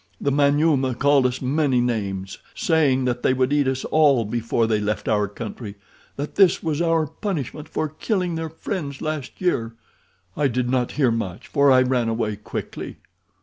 The Manyuema called us many names, saying that they would eat us all before they left our country—that this was our punishment for killing their friends last year. I did not hear much, for I ran away quickly."